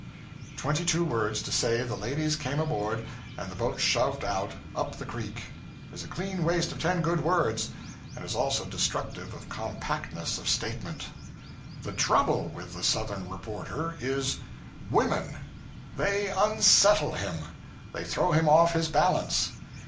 Twenty two words to say the ladies came aboard and the boat shoved out up the creek, is a clean waste of ten good words, and is also destructive of compactness of statement. The trouble with the Southern reporter is Women. They unsettle him; they throw him off his balance.